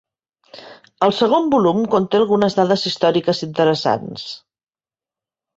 El segon volum conté algunes dades històriques interessants.